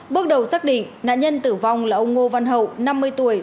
bước đầu xác định nạn nhân tử vong là ông ngô văn hậu năm mươi tuổi